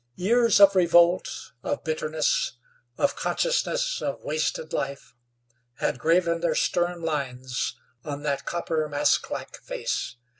Years of revolt, of bitterness, of consciousness of wasted life, had graven their stern lines on that copper, masklike face.